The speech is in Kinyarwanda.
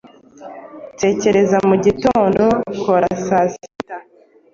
Tekereza mu gitondo Kora saa sita.